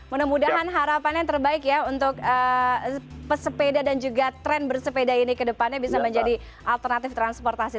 mudah mudahan harapannya terbaik ya untuk pesepeda dan juga tren bersepeda ini ke depannya bisa menjadi alternatif transportasi